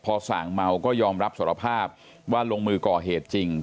พอส่างเมาก็ยอมรับสารภาพว่าลงมือก่อเหตุจริง